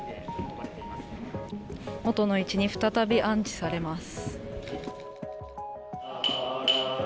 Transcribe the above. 元の位置に再び安置されます。